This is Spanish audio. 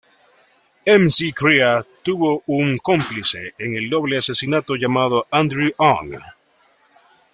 McCrea tuvo un cómplice en el doble asesinato, llamado Audrey Ong.